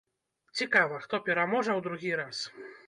Цікава, хто пераможа ў другі раз?